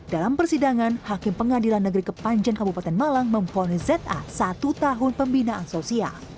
dalam persidangan hakim pengadilan negeri kepanjen kabupaten malang memfonis za satu tahun pembinaan sosial